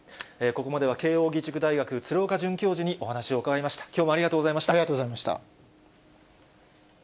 ここまでは、慶応義塾大学、鶴岡准教授にお話を伺いました。